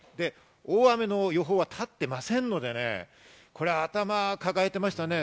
大雨の予報はたっていませんのでね、頭を抱えていましたね。